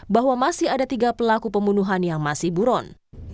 bahwa masih ada tiga pelaku pembunuhan yang masih buron